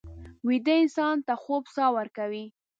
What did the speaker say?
ویده انسان ته خوب ساه ورکوي